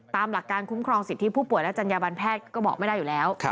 ตามหลักการคุ้มครองสิทธิผู้ป่วยและจัญญาบันแพทย์ก็บอกไม่ได้อยู่แล้ว